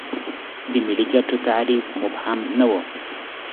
د ملي ګټو تعریف مبهم نه و.